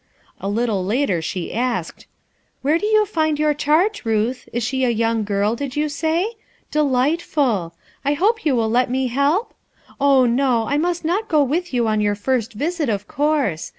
A little later she asked: "Where do you find your charge, Ruth? Is she a young girl, did you say? Delightful! I hope you will let me help? Oh, no, I must not go with you on your first visit, of course.